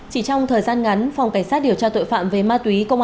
chỉ trong thời gian ngắn phòng cảnh sát điều tra tội phạm về ma túy